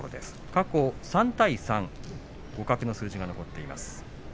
過去３対３、互角の数字が残っています。